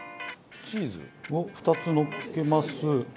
チーズを２つのっけます。